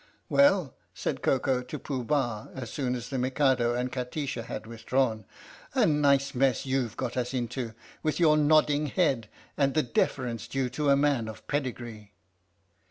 "Well," said Koko to Pooh Bah as soon as the Mikado and Kati sha had withdrawn, "a nice mess you've got us into with your nodding head and the deference due to a man of pedigree!